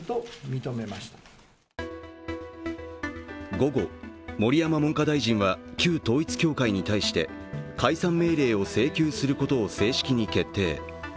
午後、盛山文科大臣は、旧統一教会に対して解散命令を請求することを正式に決定。